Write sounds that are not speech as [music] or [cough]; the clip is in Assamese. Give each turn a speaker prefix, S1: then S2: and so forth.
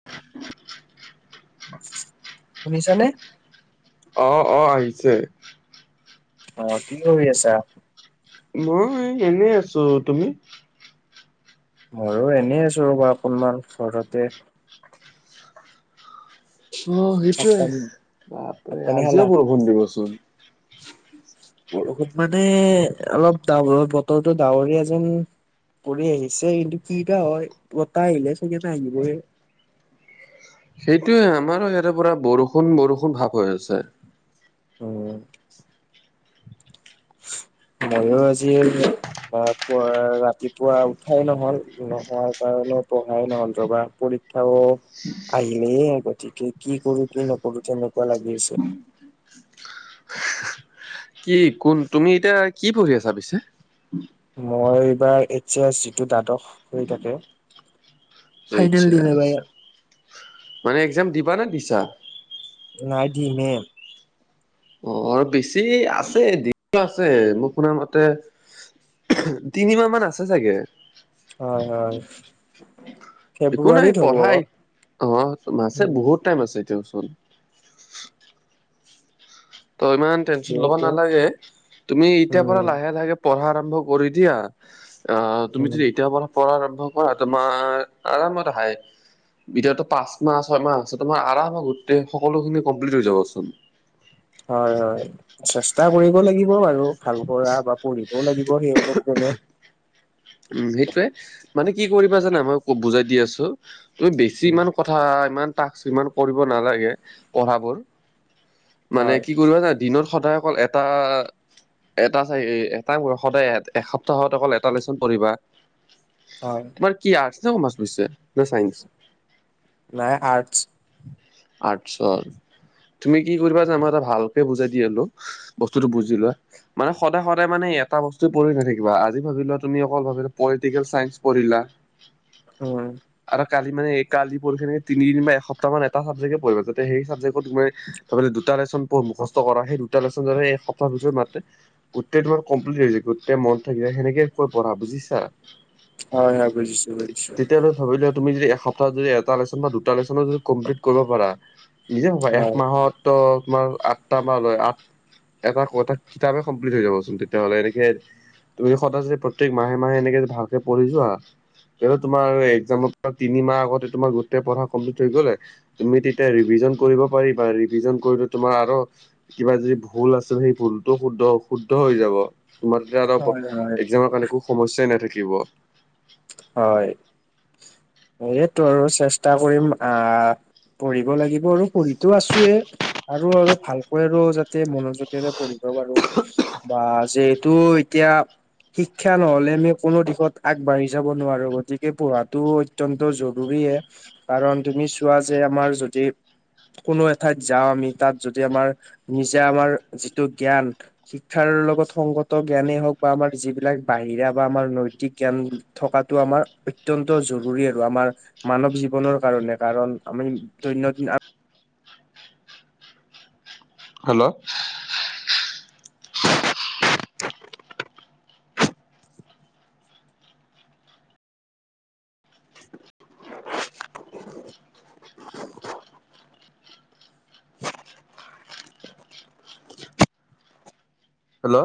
S1: [inaudible]
S2: শুনিছানে?
S1: অ অ আহিছে।
S2: অ কি কৰি আছা?
S1: মই এনেই আছো, তুমি?
S2: মোৰো এনেই আছো ৰ'ব অকণমান ঘৰতে
S1: অ
S2: ভাত
S1: সেইটোৱে
S2: পানী ভাত
S1: বাপৰে
S2: পানী খালা?
S1: আজিও বৰষুণ দিবচোন।
S2: বৰষুণ মানে অলপ ডাৱৰ বতৰটো ডাৱৰীয়া যেন কৰি আহিছে কিন্তু কি এটা হয় বতাহ আহিলে চাগে নাহিবই।
S1: সেইটোয়ে আমাৰো ইয়াৰে পৰা বৰষুণ বৰষুণ ভাৱ হৈ আছে।
S2: উম, মইও আজি ৰাতিপুৱা উঠাই নহ'ল নহোৱাৰ কাৰণে পঢ়াই নহ'ল জবা পৰীক্ষাও আহিলেই গতিকে কি কৰো কি নকৰো তেনেকুৱা লাগি আছে।
S1: কি কোন তুমি এতিয়া কি পঢ়ি আছা পিছে?
S2: মই এইবাৰ এইছ এছ যিটো দ্বাদশ হৈ থাকে
S1: আচ্ছা
S2: ফাইনেল দিম এইবাৰ ইয়াত।
S1: মানে এক্সাম দিবানে দিছা?
S2: নাই দিম হে।
S1: অ', আৰু বেছি আছে দিন আছে মোক শুনাৰ মতে তিনি মাহ মান আছে চাগে।
S2: হয়, হয়।
S1: একো নাই
S2: ফেব্ৰুৱাৰীত হ'ব
S1: পঢ়াই অ' আছে
S2: উম
S1: বহুত টাইম আছে এতিয়া ওচৰত। ত' ইমান টেনচন লব
S2: যিহেতু
S1: নালাগে তুমি এতিয়াৰ পৰা
S2: উম
S1: লাহে লাহে পঢ়া আৰম্ভ কৰি দিয়া আহ তুমি
S2: উম
S1: যদি এতিয়া পৰা পঢ়া আৰম্ভ কৰা তোমাৰ আৰামত আহে এতিয়াটো পাঁচ মাহ ছয় মাহ আছে তোমাৰ আৰামত গোটেই সকলোখিনি কমপ্লিট হৈ যাবচোন।
S2: হয়, হয়, চেষ্টা কৰিব লাগিব বাৰু ভাল কৰা বা পঢ়িবও লাগিব। পঢ়ি অলপ কেনে
S1: উম, সেইটোয়ে মানে কি কৰিবা জানা মই বুজাই দি আছো তুমি বেছি
S2: উম
S1: ইমান কথা কথা ইমান টাস্ক ইমান কৰিব নালাগে পঢ়াবোৰ মানে
S2: হয়
S1: কি কৰিবা জানা দিনত সদায় অকল এটা এটা এটা সদায় এসপ্তাহত অকল এটা লেচন পঢ়িবা
S2: হয়।
S1: তোমাৰ কি আৰ্টচ নে কমাৰ্চছে নে চাইন্স?
S2: নাই আৰ্টছ।
S1: আৰ্টছৰ তুমি কি কৰিবা জানমাৰ এটা ভালকে বুজাই দিলো বস্তুটো বুজি লোৱা মানে সদায় সদায় মানে এটা বস্তু পঢ়িৰ নাথাকিবা আজি ভাবিলোৱা তুমি অকল ভাবিলা পলিটিকেল চাইঞ্চ পঢ়িলা
S2: উম
S1: আৰু কালি মানে কালি পৰসি তিদিন বা এসপ্তাহ মান এটা চাবজেক্টয়ে পঢ়িবা যাতে সেই চাবজেক্ট ত দুটা লেশ্যন মুখস্থ কৰা সেই দুটা লেশ্যন যাতে এক সপ্তাহ পিছত মাতে গোটেই তোমাৰ কমপ্লিট হৈ যায় গোটেই মনত থাকি যায় সেনেকে কৈ পঢ়া বুজিছা!
S2: হয়, হয়, বুজিছোঁ বুজিছোঁ।
S1: তেতিয়াহ'লে তুমি যদি এসপ্তাহ যদি এটা লেশ্যন বা দুটা লেশ্যনও যদি কমপ্লিট কৰিব পাৰা নিজে ভাবা এক
S2: হয়
S1: মাহতো তোমাৰ আঠটা মাহ লয় আঠ এটা এটা কিতাপে কমপ্লিট হৈ যাবচোন তেতিয়াহলে এনেকে তুমি সদায় যে প্ৰত্যেক মাহে মাহে এনেকে ভালকে পঢি যোৱা এই তোমাৰ এক্সামৰ পৰা তিনি মাহ আগতে তোমাৰ গোটেই পঢ়া কমপ্লিট হৈ গ'লে তুমি তেতিয়া ৰিভিজন কৰিব পাৰিবা ৰিভিজন কৰোঁতে তোমাৰ আৰু কিবা যদি ভুল আছে সেই ভুলটো শুদ্ধ শুদ্ধ হৈ যাব। তোমাৰ তেতিয়া অলপ
S2: হয় হয়
S1: একজামৰ কাৰণে একো সমস্যাই নাথাকিব।
S2: হয়, এইটো আৰু চেষ্টা কৰিম আহ পঢ়িব লাগিব আৰু পঢ়িতো আছোঁয়ে। আৰু আৰু ভালকৈ আৰু যাতে মনোযোগেৰে পঢ়িব পাৰোঁ। বা যিহেতু এতিয়া শিক্ষা নহ'লে আমি কোনো দিশত আগবাঢ়ি যাব নোৱাৰোঁ। গতিকে পঢ়াটো অত্যন্ত জৰুৰীয়ে। কাৰণ তুমি চোৱা যে আমাৰ যদি কোনো এঠাইত যাওঁ আমি তাত যদি আমাৰ নিজা আমাৰ যিটো জ্ঞান শিক্ষাৰ লগত সংগত জ্ঞানেই হওঁক বা আমাৰ যিবিলাক বাহিৰা বা আমাৰ নৈতিক জ্ঞান থকাটো আমাৰ অত্যন্ত জৰুৰী আৰু আমাৰ মানৱ জীৱনৰ কাৰণে কাৰণ আমি দৈনন্দিন
S1: হেল্ল' হেল্ল'